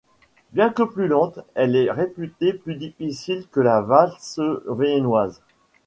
Bien que plus lente, elle est réputée plus difficile que la valse viennoise.